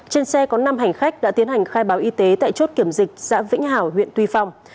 trên xe có năm hành khách đã tiến hành khai báo y tế tại chốt kiểm dịch xã vĩnh hảo huyện tuy phong